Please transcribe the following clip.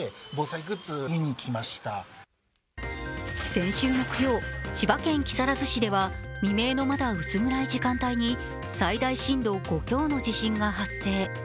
先週木曜、千葉県木更津市では未明のまだ薄暗い時間帯に最大震度５強の地震が発生。